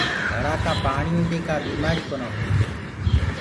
گھڙآ ڪآ پآڻيو دي ڪآ بيمآري ڪونآ هوئي۔